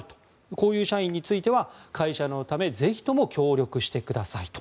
こういう社員については会社のためぜひとも協力してくださいと。